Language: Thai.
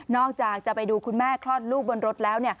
อกจากจะไปดูคุณแม่คลอดลูกบนรถแล้ว